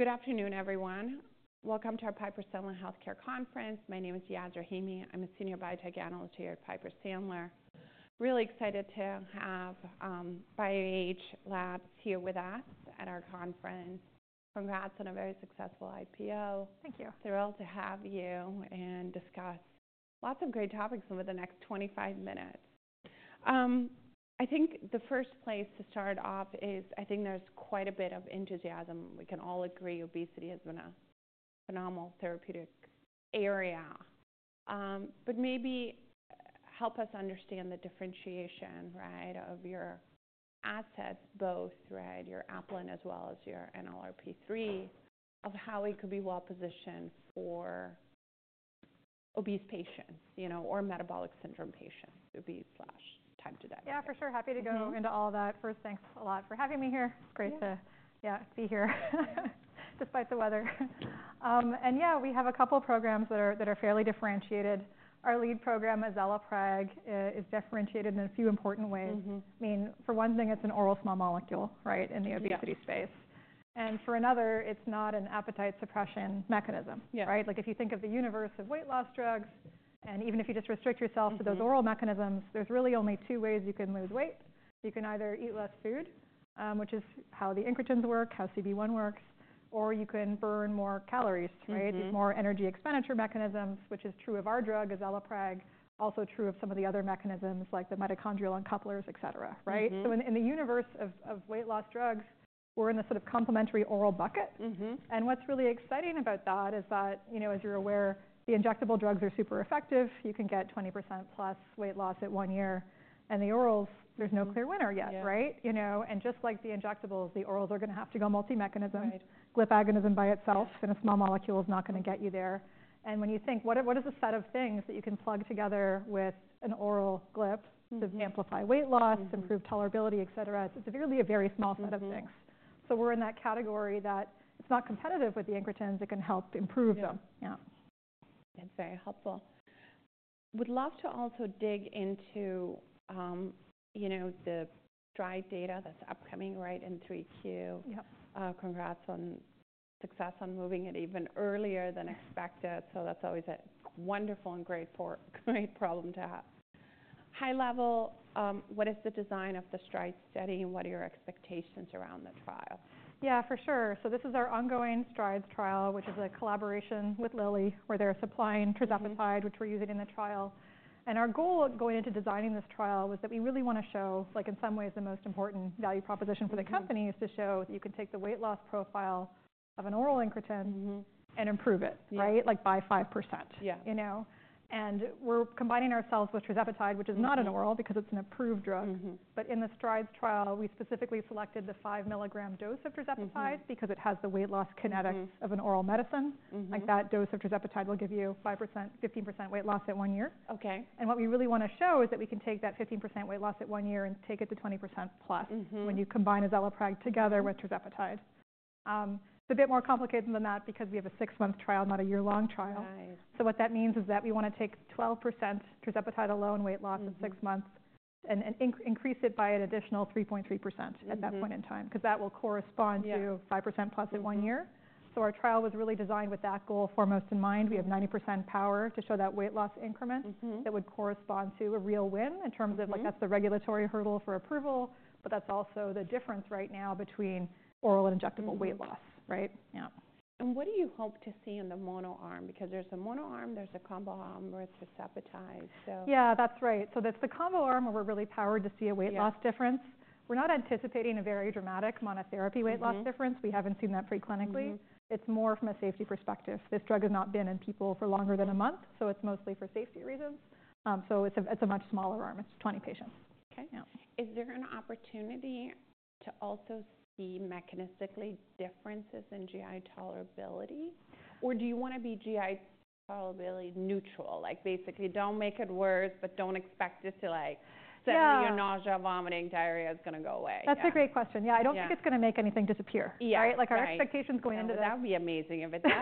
Good afternoon, everyone. Welcome to our Piper Sandler Healthcare Conference. My name is Yasmeen Rahimi. I'm a senior biotech analyst here at Piper Sandler. Really excited to have BioAge Labs here with us at our conference. Congrats on a very successful IPO. Thank you. Thrilled to have you and discuss lots of great topics over the next 25 minutes. I think the first place to start off is, I think there's quite a bit of enthusiasm. We can all agree obesity has been a phenomenal therapeutic area. But maybe help us understand the differentiation of your assets, both your apelin as well as your NLRP3, of how it could be well positioned for obese patients or metabolic syndrome patients, obese/type 2 diabetes. Yeah, for sure. Happy to go into all that. First, thanks a lot for having me here. It's great to be here despite the weather. And yeah, we have a couple of programs that are fairly differentiated. Our lead program, azelaprag, is differentiated in a few important ways. I mean, for one thing, it's an oral small molecule in the obesity space. And for another, it's not an appetite suppression mechanism. If you think of the universe of weight loss drugs, and even if you just restrict yourself to those oral mechanisms, there's really only two ways you can lose weight. You can either eat less food, which is how the incretins work, how CB1 works, or you can burn more calories, more energy expenditure mechanisms, which is true of our drug, azelaprag, also true of some of the other mechanisms like the mitochondrial uncouplers, et cetera. So in the universe of weight loss drugs, we're in the sort of complementary oral bucket. And what's really exciting about that is that, as you're aware, the injectable drugs are super effective. You can get 20% plus weight loss at one year. And the orals, there's no clear winner yet. And just like the injectables, the orals are going to have to go multi-mechanism. GLP agonist by itself in a small molecule is not going to get you there. And when you think, what is a set of things that you can plug together with an oral GLP to amplify weight loss, improve tolerability, et cetera, it's really a very small set of things. So we're in that category that it's not competitive with the incretins. It can help improve them. That's very helpful. Would love to also dig into the STRIDES data that's upcoming in 3Q. Congrats on success on moving it even earlier than expected. So that's always a wonderful and great problem to have. High level, what is the design of the STRIDES study and what are your expectations around the trial? Yeah, for sure. So this is our ongoing STRIDES trial, which is a collaboration with Lilly, where they're supplying tirzepatide, which we're using in the trial. And our goal going into designing this trial was that we really want to show, in some ways, the most important value proposition for the company is to show that you can take the weight loss profile of an oral incretin and improve it by 5%. And we're combining ourselves with tirzepatide, which is not an oral because it's an approved drug. But in the STRIDES trial, we specifically selected the five-milligram dose of tirzepatide because it has the weight loss kinetics of an oral medicine. That dose of tirzepatide will give you 15% weight loss at one year. And what we really want to show is that we can take that 15% weight loss at one year and take it to 20% plus when you combine azelaprag together with tirzepatide. It's a bit more complicated than that because we have a six-month trial, not a year-long trial. So what that means is that we want to take 12% tirzepatide alone weight loss at six months and increase it by an additional 3.3% at that point in time because that will correspond to 5% plus at one year. So our trial was really designed with that goal foremost in mind. We have 90% power to show that weight loss increment that would correspond to a real win in terms of, that's the regulatory hurdle for approval, but that's also the difference right now between oral and injectable weight loss. What do you hope to see in the monoarm? Because there's a monoarm, there's a comboarm, where it's tirzepatide. Yeah, that's right, so that's the combo arm where we're really powered to see a weight loss difference. We're not anticipating a very dramatic monotherapy weight loss difference. We haven't seen that preclinically. It's more from a safety perspective. This drug has not been in people for longer than a month, so it's mostly for safety reasons, so it's a much smaller arm. It's 20 patients. Is there an opportunity to also see mechanistically differences in GI tolerability? Or do you want to be GI tolerability neutral? Basically, don't make it worse, but don't expect it to suddenly your nausea, vomiting, diarrhea is going to go away. That's a great question. Yeah, I don't think it's going to make anything disappear. Our expectations going into that. That would be amazing if it does.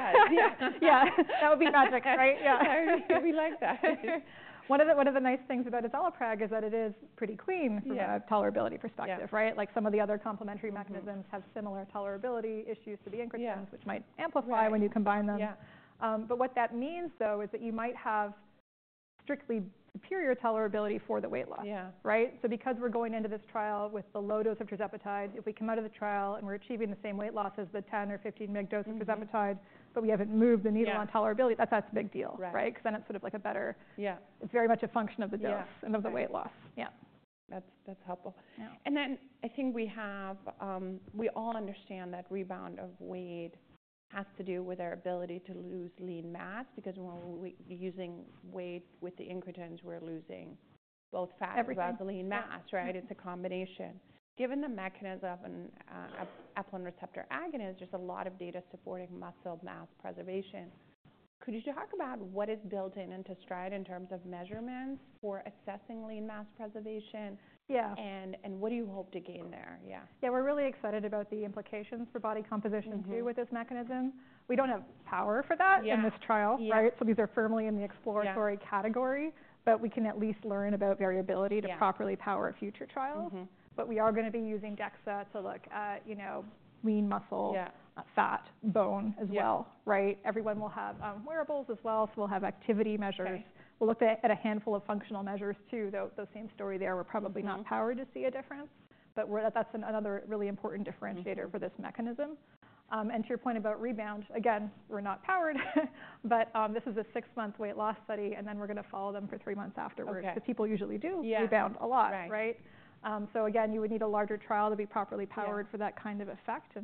Yeah, that would be magic. Yeah. I would like that. One of the nice things about azelaprag is that it is pretty clean from a tolerability perspective. Some of the other complementary mechanisms have similar tolerability issues to the incretins, which might amplify when you combine them. But what that means, though, is that you might have strictly superior tolerability for the weight loss. So because we're going into this trial with the low dose of tirzepatide, if we come out of the trial and we're achieving the same weight loss as the 10 or 15-mg dose of tirzepatide, but we haven't moved the needle on tolerability, that's a big deal. Because then it's sort of like a better it's very much a function of the dose and of the weight loss. That's helpful. And then I think we all understand that rebound of weight has to do with our ability to lose lean mass because when we're using weight with the incretins, we're losing both fat and lean mass. It's a combination. Given the mechanism and apelin receptor agonist, there's a lot of data supporting muscle mass preservation. Could you talk about what is built into STRIDES in terms of measurements for assessing lean mass preservation? And what do you hope to gain there? Yeah, we're really excited about the implications for body composition too with this mechanism. We don't have power for that in this trial. So these are firmly in the exploratory category. But we can at least learn about variability to properly power future trials. But we are going to be using DEXA to look at lean muscle, fat, bone as well. Everyone will have wearables as well. So we'll have activity measures. We'll look at a handful of functional measures too. Though same story there, we're probably not powered to see a difference. But that's another really important differentiator for this mechanism. And to your point about rebound, again, we're not powered. But this is a six-month weight loss study, and then we're going to follow them for three months afterwards. Because people usually do rebound a lot. Again, you would need a larger trial to be properly powered for that kind of effect.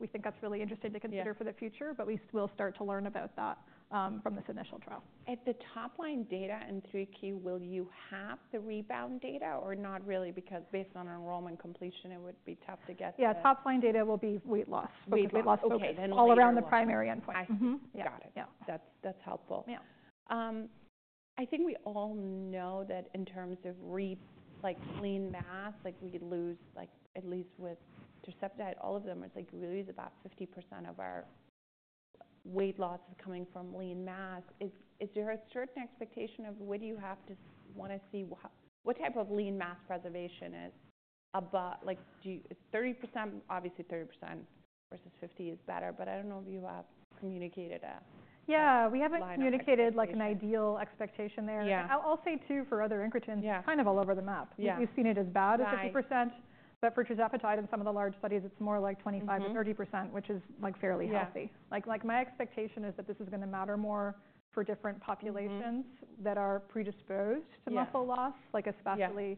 We think that's really interesting to consider for the future. We will start to learn about that from this initial trial. At the top line data in 3Q, will you have the rebound data or not really? Because based on enrollment completion, it would be tough to get that. Yeah, top line data will be weight loss. Weight loss all around the primary endpoint. Got it. That's helpful. I think we all know that in terms of lean mass, we lose at least with tirzepatide, all of them. It's like we lose about 50% of our weight loss is coming from lean mass. Is there a certain expectation of what do you have to want to see what type of lean mass preservation is? 30%, obviously 30% versus 50% is better. But I don't know if you have communicated a line of thought. Yeah, we haven't communicated an ideal expectation there. I'll say too for other incretins, it's kind of all over the map. We've seen it as bad as 50%. But for tirzepatide and some of the large studies, it's more like 25%-30%, which is fairly healthy. My expectation is that this is going to matter more for different populations that are predisposed to muscle loss, especially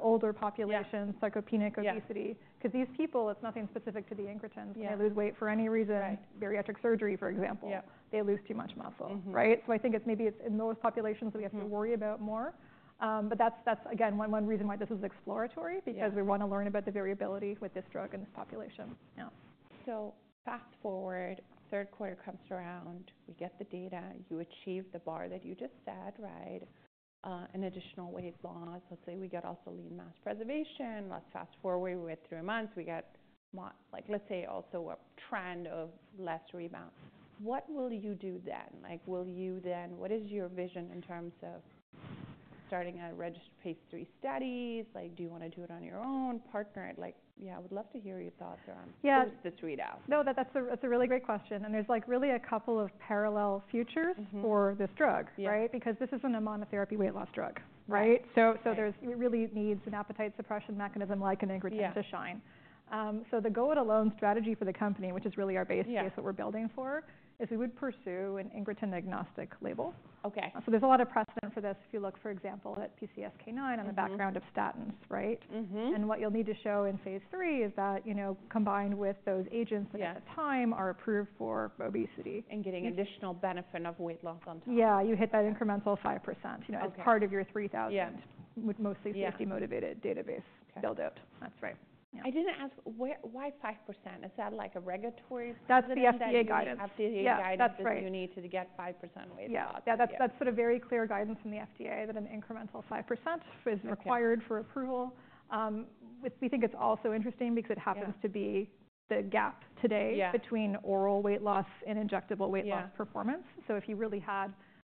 older populations, sarcopenic obesity. Because these people, it's nothing specific to the incretins. When they lose weight for any reason, bariatric surgery, for example, they lose too much muscle. So I think maybe it's in those populations that we have to worry about more. But that's, again, one reason why this is exploratory, because we want to learn about the variability with this drug in this population. So, fast forward. Third quarter comes around, we get the data. You achieve the bar that you just said, an additional weight loss. Let's say we get also lean mass preservation. Let's fast forward, we wait three months, we get, let's say, also a trend of less rebound. What will you do then? What is your vision in terms of starting a registered phase III study? Do you want to do it on your own? Partner? Yeah, I would love to hear your thoughts around the three downs. No, that's a really great question, and there's really a couple of parallel futures for this drug, because this isn't a monotherapy weight loss drug, so there's really needs an appetite suppression mechanism like an incretin to shine, so the go-it-alone strategy for the company, which is really our base case, what we're building for, is we would pursue an incretin agnostic label, so there's a lot of precedent for this if you look, for example, at PCSK9 on the background of statins, and what you'll need to show in phase III is that combined with those agents that at the time are approved for obesity. Getting additional benefit of weight loss on top. Yeah, you hit that incremental 5% as part of your 3,000, mostly safety-motivated database build-out. I didn't ask why 5%. Is that like a regulatory? That's the FDA guidance. FDA guidance that you need to get 5% weight loss. Yeah, that's sort of very clear guidance from the FDA that an incremental 5% is required for approval. We think it's also interesting because it happens to be the gap today between oral weight loss and injectable weight loss performance. So if you really had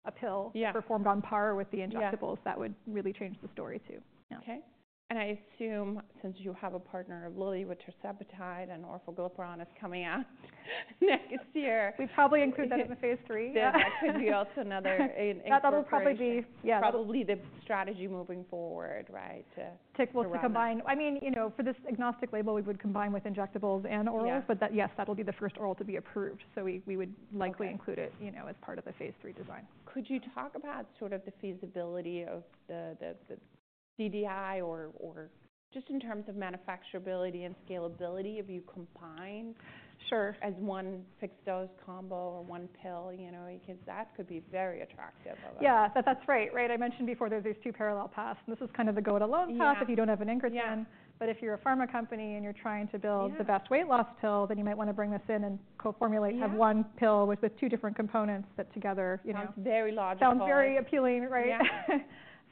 a pill performed on par with the injectables, that would really change the story too. I assume since you have a partner of Lilly with tirzepatide and orforglipron is coming out next year. We probably include them in phase III. That could be also another. That will probably be. Probably the strategy moving forward. I mean, for this agnostic label, we would combine with injectables and orals. But yes, that will be the first oral to be approved. So we would likely include it as part of the phase III design. Could you talk about sort of the feasibility of the FDC or just in terms of manufacturability and scalability if you combine as one fixed dose combo or one pill? Because that could be very attractive. Yeah, that's right. I mentioned before there's these two parallel paths. And this is kind of the go-it-alone path if you don't have an incretin. But if you're a pharma company and you're trying to build the best weight loss pill, then you might want to bring this in and co-formulate one pill with two different components that together. Sounds very logical. Sounds very appealing.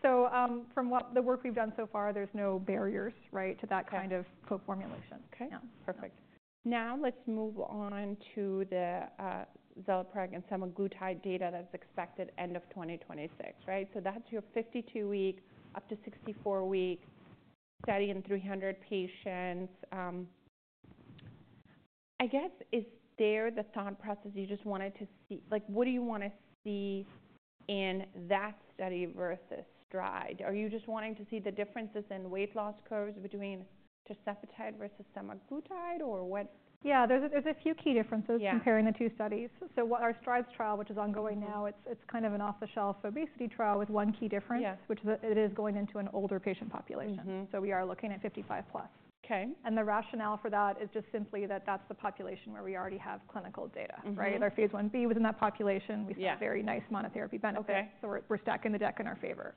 So from the work we've done so far, there's no barriers to that kind of co-formulation. Perfect. Now let's move on to the azelaprag and semaglutide data that's expected end of 2026. So that's your 52-week up to 64-week study in 300 patients. I guess is there the thought process you just wanted to see? What do you want to see in that study versus STRIDES? Are you just wanting to see the differences in weight loss curves between tirzepatide versus semaglutide or what? Yeah, there's a few key differences comparing the two studies. Our STRIDES trial, which is ongoing now, it's kind of an off-the-shelf obesity trial with one key difference, which is it is going into an older patient population. We are looking at 55-plus. The rationale for that is just simply that that's the population where we already have clinical data. Our phase 1b was in that population. We see a very nice monotherapy benefit. We're stacking the deck in our favor.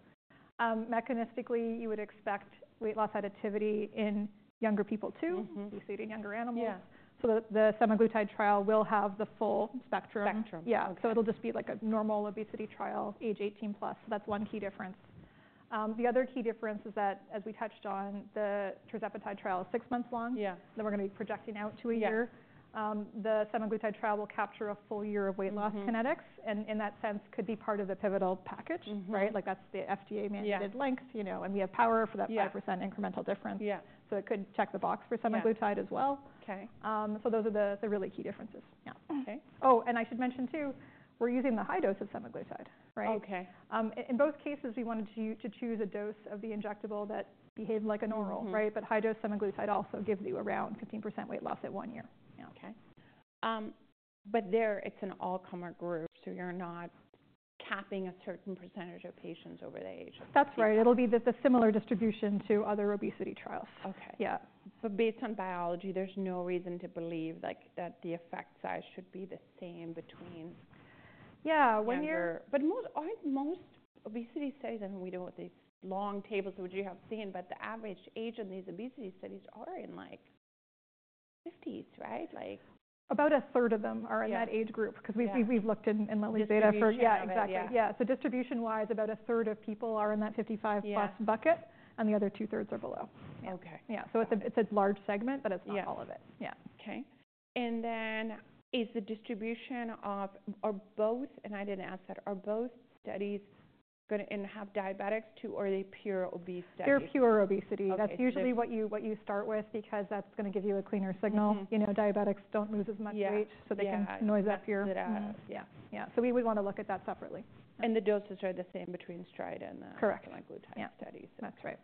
Mechanistically, you would expect weight loss additivity in younger people too, obesity in younger animals. The semaglutide trial will have the full spectrum. It'll just be like a normal obesity trial, age 18-plus. That's one key difference. The other key difference is that, as we touched on, the tirzepatide trial is six months long. Then we're going to be projecting out to a year. The semaglutide trial will capture a full year of weight loss kinetics. And in that sense, could be part of the pivotal package. That's the FDA-mandated length. And we have power for that 5% incremental difference. So it could check the box for semaglutide as well. So those are the really key differences. Oh, and I should mention too, we're using the high dose of semaglutide. In both cases, we wanted to choose a dose of the injectable that behaved like an oral. But high dose semaglutide also gives you around 15% weight loss at one year. But there, it's an all-comer group. So you're not capping a certain percentage of patients over the age of. That's right. It'll be the similar distribution to other obesity trials. But based on biology, there's no reason to believe that the effect size should be the same between younger. Yeah, but most obesity studies, I mean, we don't have these long tables that we do have seen. But the average age in these obesity studies are in like 50s. About a third of them are in that age group. Because we've looked in Lilly's data for. Yeah, exactly. Yeah, so distribution-wise, about a third of people are in that 55-plus bucket. And the other two-thirds are below. Yeah, so it's a large segment, but it's not all of it. Is the distribution of both, and I didn't ask that? Are both studies going to have diabetics too, or are they pure obesity? They're pure obesity. That's usually what you start with because that's going to give you a cleaner signal. Diabetics don't lose as much weight, so they can noise up your. Yeah, so we would want to look at that separately. The doses are the same between STRIDES and the semaglutide studies. Correct.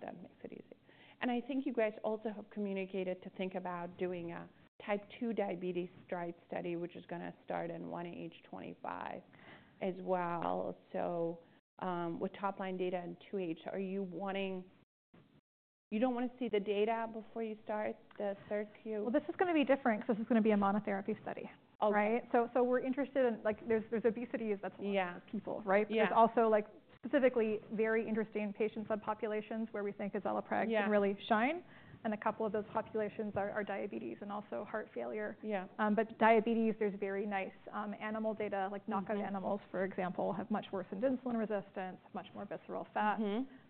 That makes it easy. I think you guys also have communicated to think about doing a type 2 diabetes STRIDES study, which is going to start in 1H25 as well. With top line data in 2H, are you wanting you don't want to see the data before you start the Phase 3? This is going to be different because this is going to be a monotherapy study. So we're interested in. There's obesity as that's a lot of people. But there's also specifically very interesting patient subpopulations where we think azelaprag can really shine. And a couple of those populations are diabetes and also heart failure. But diabetes, there's very nice animal data. Knock-out animals, for example, have much worsened insulin resistance, much more visceral fat.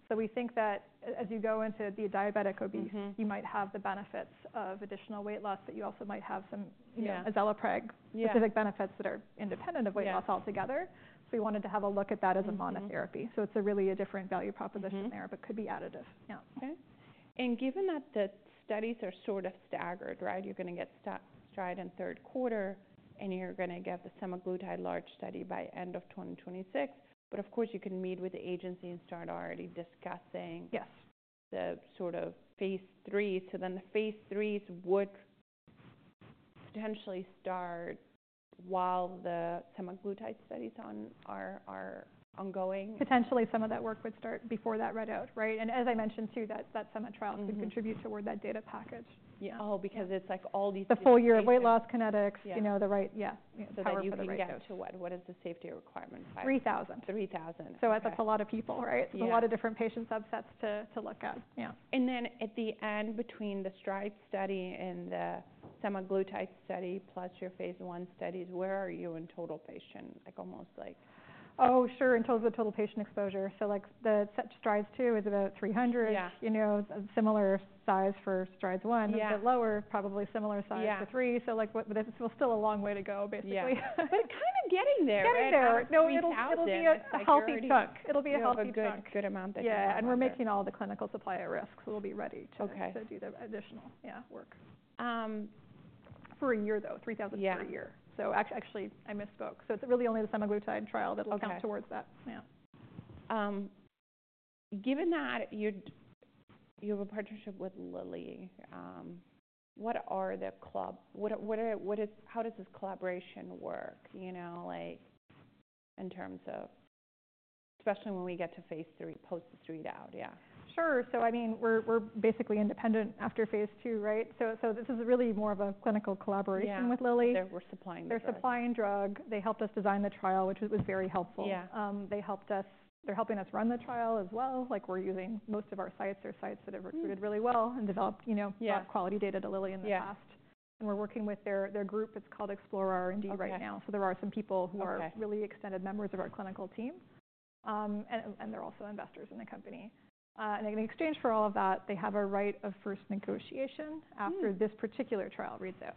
So we think that as you go into the diabetic obese, you might have the benefits of additional weight loss, but you also might have some azelaprag-specific benefits that are independent of weight loss altogether. So we wanted to have a look at that as a monotherapy. So it's really a different value proposition there, but could be additive. And given that the studies are sort of staggered, you're going to get STRIDES in third quarter, and you're going to get the semaglutide large study by end of 2026. But of course, you can meet with the agency and start already discussing the sort of phase III. So then the phase IIIs would potentially start while the semaglutide studies are ongoing. Potentially some of that work would start before that readout. And as I mentioned too, that STRIDES trial could contribute toward that data package. Oh, because it's like all these. The full year of weight loss kinetics, the right. How do you figure out to what? What is the safety requirement? 3,000. 3,000. So that's a lot of people. So a lot of different patient subsets to look at. Then at the end, between the STRIDES study and the semaglutide study plus your phase I studies, where are you in total patient? Like almost like. Oh, sure. In terms of total patient exposure. So the STRIDES II is about 300. Similar size for STRIDES I. It's a bit lower, probably similar size for III. So there's still a long way to go, basically. But kind of getting there. Getting there. No, it'll be a healthy chunk. It'll be a healthy chunk. It's a good amount that you'll get, and we're making all the clinical supply at risk, so we'll be ready to do the additional work. For a year, though, 3,000 per year. Actually, I misspoke, so it's really only the semaglutide trial that'll count towards that. Given that you have a partnership with Lilly, how does this collaboration work in terms of especially when we get to phase III, post the readout? Yeah. Sure, so I mean, we're basically independent after phase II, so this is really more of a clinical collaboration with Lilly. Yeah, they're supplying the drug. They're supplying drug. They helped us design the trial, which was very helpful. They're helping us run the trial as well. Most of our sites are sites that have recruited really well and developed quality data to Lilly in the past. And we're working with their group. It's called Chorus right now. So there are some people who are really extended members of our clinical team. And they're also investors in the company. And in exchange for all of that, they have a right of first negotiation after this particular trial reads out.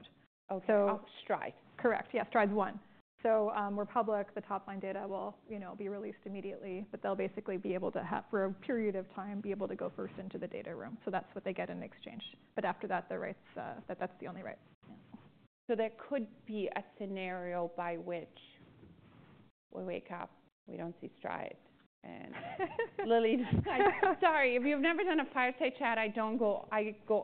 Oh, STRIDE. Correct. Yeah, STRIDES I. So we're public. The top line data will be released immediately. But they'll basically be able to, for a period of time, be able to go first into the data room. So that's what they get in exchange. But after that, that's the only right. So there could be a scenario by which we wake up, we don't see STRIDES, and Lilly. Sorry. If you've never done a fireside chat, I go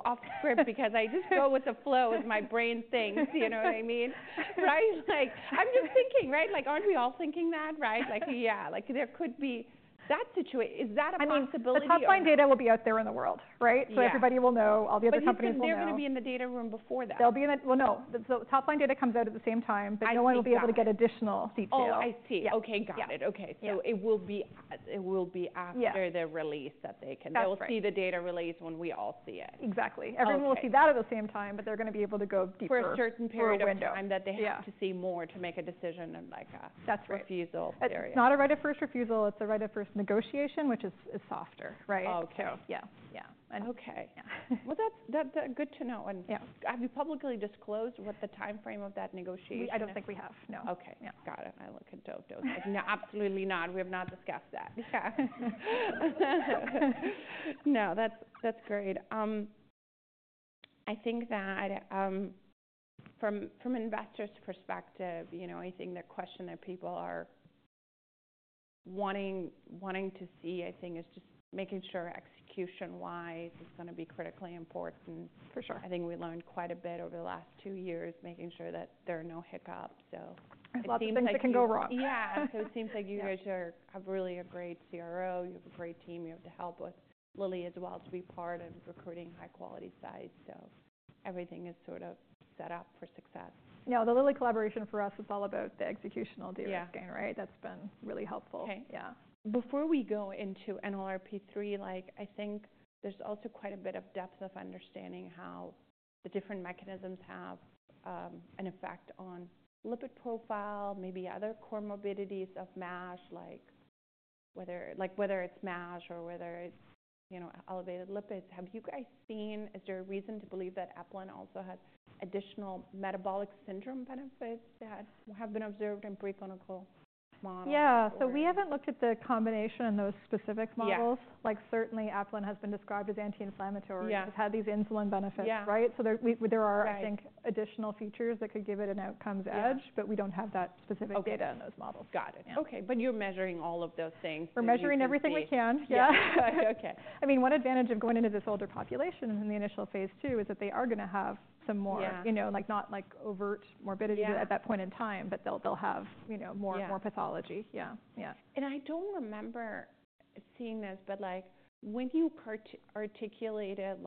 off script because I just go with the flow of my brain things. You know what I mean? I'm just thinking, aren't we all thinking that? Yeah, there could be that situation. Is that a possibility? I mean, the top line data will be out there in the world. So everybody will know. All the other companies will know. They're going to be in the data room before that. They'll be in the well, no. The top-line data comes out at the same time. I see. But no one will be able to get additional detail. Oh, I see. OK, got it. OK, so it will be after the release that they can. That's right. They'll see the data release when we all see it. Exactly. Everyone will see that at the same time, but they're going to be able to go deeper. For a certain period of time that they have to see more to make a decision and refusal. That's right. It's not a right of first refusal. It's a right of first negotiation, which is softer. Oh, OK. Yeah. OK. Well, that's good to know. Have you publicly disclosed what the time frame of that negotiation is? I don't think we have. No. OK, got it. I look at Dov Goldstein. No, absolutely not. We have not discussed that. Yeah. No, that's great. I think that from investors' perspective, I think the question that people are wanting to see, I think, is just making sure execution-wise is going to be critically important. I think we learned quite a bit over the last two years, making sure that there are no hiccups. It seems like it can go wrong. Yeah. So it seems like you guys have really a great CRO. You have a great team. You have the help of Lilly as well to be part of recruiting high-quality sites. So everything is sort of set up for success. No, the Lilly collaboration for us is all about the executional data staying. That's been really helpful. Before we go into NLRP3, I think there's also quite a bit of depth of understanding how the different mechanisms have an effect on lipid profile, maybe other comorbidities of MASH, whether it's MASH or whether it's elevated lipids. Have you guys seen is there a reason to believe that apelin also has additional metabolic syndrome benefits that have been observed in preclinical models? Yeah. So we haven't looked at the combination in those specific models. Certainly, apelin has been described as anti-inflammatory. It's had these insulin benefits. So there are, I think, additional features that could give it an outcome's edge, but we don't have that specific data in those models. Got it. OK, but you're measuring all of those things. We're measuring everything we can. Yeah. I mean, one advantage of going into this older population in the initial phase II is that they are going to have some more, not overt morbidity at that point in time, but they'll have more pathology. Yeah. And I don't remember seeing this, but when you articulated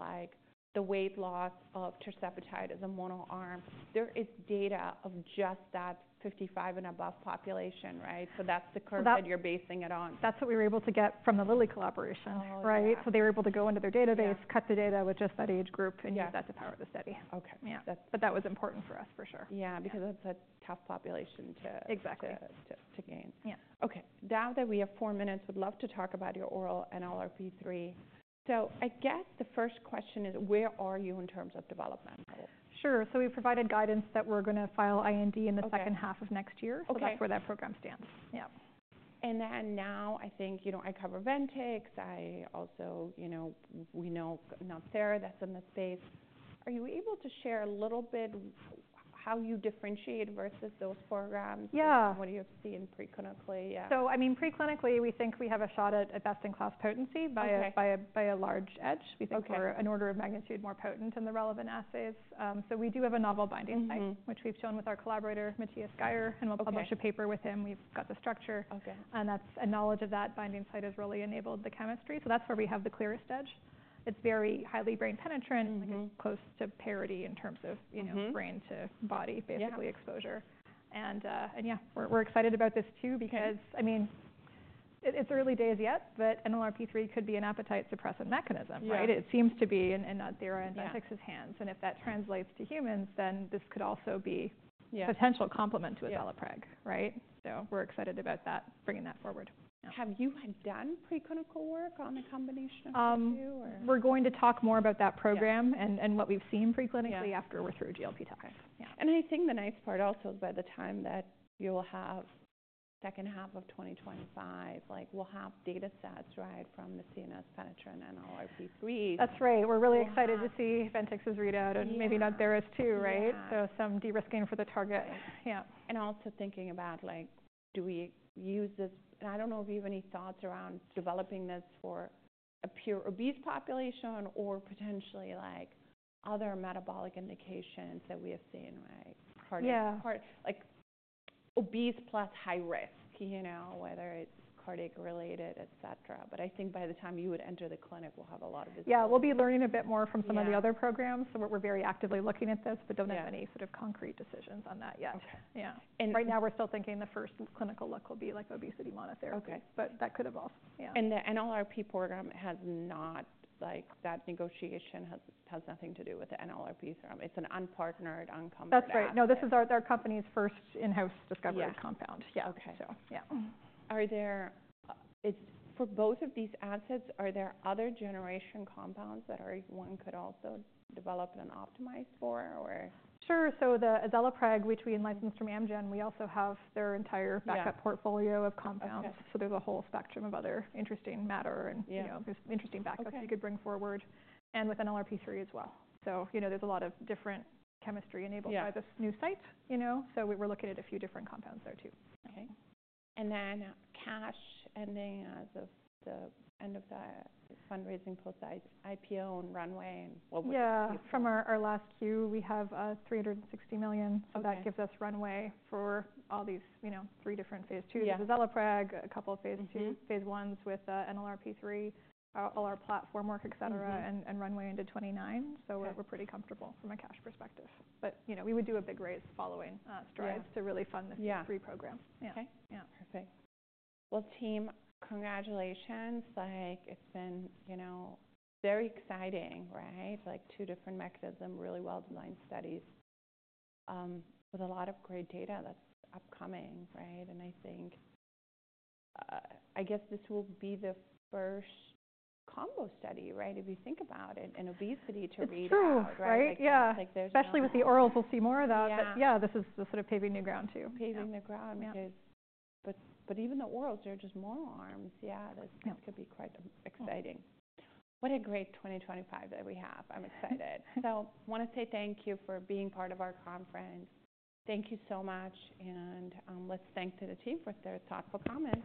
the weight loss of tirzepatide as a monoarm, there is data of just that 55 and above population. So that's the curve that you're basing it on. That's what we were able to get from the Lilly collaboration. So they were able to go into their database, cut the data with just that age group, and use that to power the study. But that was important for us, for sure. Yeah, because that's a tough population to gain. OK, now that we have four minutes, we'd love to talk about your oral NLRP3. I guess the first question is, where are you in terms of development? Sure. So we've provided guidance that we're going to file IND in the second half of next year. So that's where that program stands. And then now, I think I cover Ventyx. We know NodThera, that's in the space. Are you able to share a little bit how you differentiate versus those programs? What do you see in preclinically? I mean, preclinically, we think we have a shot at best-in-class potency by a large edge. We think we're an order of magnitude more potent than the relevant assays. We do have a novel binding site, which we've shown with our collaborator, Matthias Geyer. We'll publish a paper with him. We've got the structure. Knowledge of that binding site has really enabled the chemistry. That's where we have the clearest edge. It's very highly brain penetrant, close to parity in terms of brain-to-body basically exposure. Yeah, we're excited about this too because, I mean, it's early days yet, but NLRP3 could be an appetite suppressant mechanism. It seems to be in NodThera and Ventyx's hands. If that translates to humans, then this could also be a potential complement to azelaprag. We're excited about bringing that forward. Have you done preclinical work on the combination of the two? We're going to talk more about that program and what we've seen preclinically after we're through GLP-1. I think the nice part also is by the time that you will have second half of 2025, we'll have data sets from the CNS penetrant and NLRP3. That's right. We're really excited to see Ventyx's readout and maybe NodThera's too. So some de-risking for the target. Yeah. And also thinking about, do we use this? And I don't know if you have any thoughts around developing this for a pure obese population or potentially other metabolic indications that we have seen, like obese plus high risk, whether it's cardiac related, et cetera. But I think by the time you would enter the clinic, we'll have a lot of. Yeah, we'll be learning a bit more from some of the other programs. So we're very actively looking at this, but don't have any sort of concrete decisions on that yet. Yeah, right now we're still thinking the first clinical look will be like obesity monotherapy. But that could evolve. The NLRP3 program has not. That negotiation has nothing to do with the NLRP3s. It's an unpartnered, uncombined. That's right. No, this is our company's first in-house discovery compound. Yeah. For both of these assets, are there other generation compounds that one could also develop and optimize for? Sure. So the azelaprag, which we licensed from Amgen, we also have their entire backup portfolio of compounds. So there's a whole spectrum of other interesting matter and interesting backups we could bring forward. And with NLRP3 as well. So there's a lot of different chemistry enabled by this new site. So we were looking at a few different compounds there too. And then, cash ending as of the end of the fundraising post-IPO and runway. Yeah. From our last Q, we have $360 million. So that gives us runway for all these three different phase IIs, azelaprag, a couple of phase IIs, phase I's with NLRP3, all our platform work, et cetera, and runway into 2029. So we're pretty comfortable from a cash perspective. But we would do a big raise following STRIDES to really fund the phase III program. Perfect. Well, team, congratulations. It's been very exciting, like two different mechanisms, really well-designed studies with a lot of great data that's upcoming. And I guess this will be the first combo study, if you think about it, in obesity to read out. Sure. Yeah. Especially with the orals, we'll see more of that. Yeah, this is the sort of paving new ground too. Paving the ground, but even the orals, they're just monoarms. Yeah, this could be quite exciting. What a great 2025 that we have. I'm excited, so I want to say thank you for being part of our conference. Thank you so much, and let's thank the team for their thoughtful comments.